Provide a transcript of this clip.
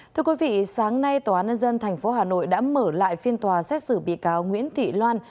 thưa quý vị sáng nay tòa án nhân dân tp hà nội đã mở lại phiên tòa xét xử bị cáo nguyễn thị loan